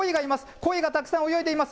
コイがたくさん泳いでいます。